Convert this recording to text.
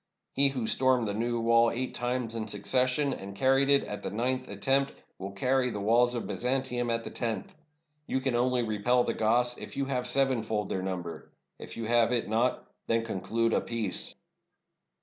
He who stormed the 'New Wall' eight times in succession, and carried it at the ninth attempt, will carry the walls of Byzantium at the tenth. You can only repel the Goths if you have sevenfold their number. If you have it not, then conclude a peace."